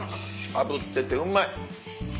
あぶっててうまい。